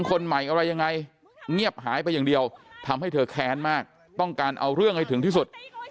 คนใหม่อะไรยังไงเงียบหายไปอย่างเดียวทำให้เธอแค้นมากต้องการเอาเรื่องให้ถึงที่สุด